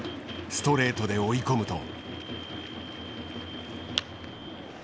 ストレートで追い込むと。